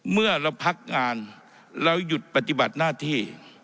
เมื่อเราพักงานเราหยุดปฏิบัติหน้าที่